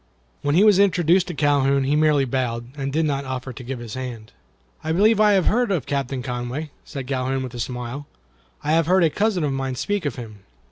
When he was introduced to Calhoun he merely bowed, and did not offer to give his hand. "I believe I have heard of Captain Conway," said Calhoun, with a smile. "I have heard a cousin of mine speak of him."